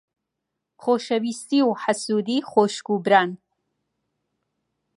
خۆشەویستی و حەسوودی خوشک و بران.